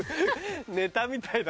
ネタみたいだな。